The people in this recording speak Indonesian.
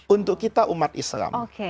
untuk kita umat islam